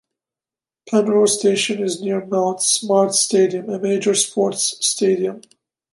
Penrose station is near Mount Smart Stadium, a major sports stadium.